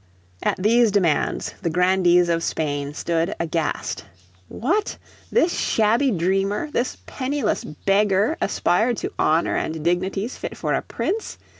At these demands the grandees of Spain stood aghast. What! This shabby dreamer, this penniless beggar aspired to honour and dignities fit for a prince!